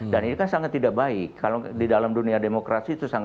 dan ini kan sangat tidak baik kalau di dalam dunia demokrasi itu sangat terganggu